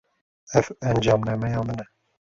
Ev encamnameya min e.